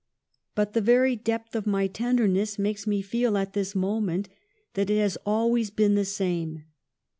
But the very depth of my tenderness makes me feel at this moment that it has always been the same.